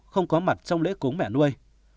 không có mặt trong lễ cúng mẹ nuôi